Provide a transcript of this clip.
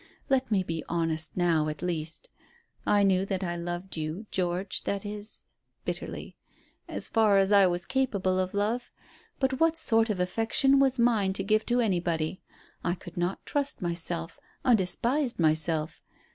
Let me be honest now, at least. I knew that I loved you, George, that is" bitterly "as far as I was capable of love; but what sort of affection was mine to give to anybody? I could not trust myself I despised myself.